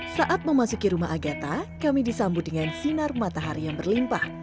saat memasuki rumah agatha kami disambut dengan sinar matahari yang berlimpah